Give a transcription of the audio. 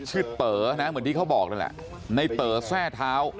ชื่อเต๋อนะครับเหมือนที่เขาบอกเลยแหละในเต๋อแทร่เท้า